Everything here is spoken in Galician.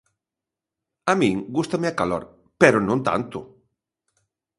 A min gústame a calor, pero non tanto.